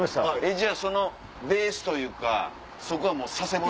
じゃあそのベースというかそこはもう佐世保に。